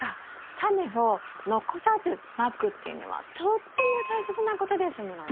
タネを残さずまくっていうのはとっても大切なことですものね。